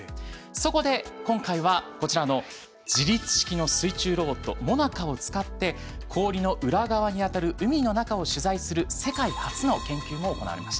そこで今回はこちらの自律式の水中ロボット「ＭＯＮＡＣＡ」を使って氷の裏側にあたる海の中を取材する世界初の研究も行われました。